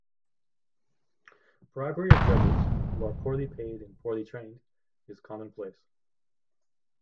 Bribery of judges, who are poorly paid and poorly trained, is commonplace.